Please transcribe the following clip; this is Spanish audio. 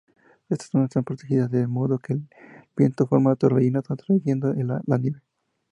Estas zonas están protegidas, de modo que el viento forma torbellinos atrayendo la nieve.